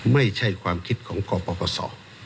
ไม่ใช่ความคิดของกรปศ